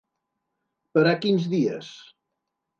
Per a quins dies?